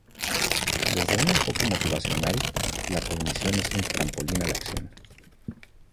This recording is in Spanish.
Desde un enfoque motivacional, la cognición es un "trampolín a la acción".